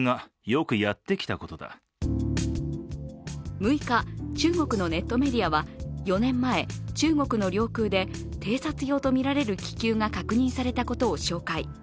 ６日、中国のネットメディアは４年前、中国の領空で偵察用とみられる気球が確認されたことを紹介。